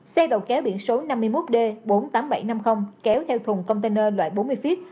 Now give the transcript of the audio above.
xe đầu kéo biển số năm mươi một d bốn mươi tám nghìn bảy trăm năm mươi kéo theo thùng container loại bốn mươi feet